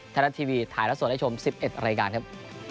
ฐานะทีวีถ่ายหลักส่วนได้ชม๑๑รายการครับ